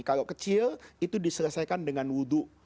kalau kecil itu diselesaikan dengan wudhu